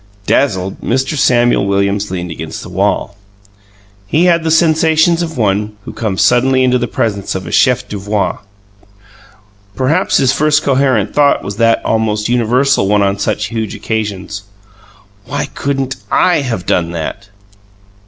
Dazzled, Mr. Samuel Williams leaned against the wall. He had the sensations of one who comes suddenly into the presence of a chef d'oeuvre. Perhaps his first coherent thought was that almost universal one on such huge occasions: "Why couldn't I have done that!"